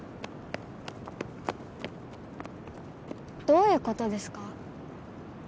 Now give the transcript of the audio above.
どういうことですか？